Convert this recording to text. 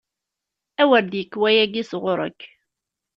A wer d-yekk wayagi sɣur-k!